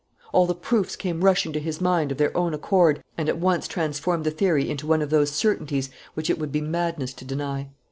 All the proofs came rushing to his mind of their own accord and at once transformed the theory into one of those certainties which it would be madness to deny.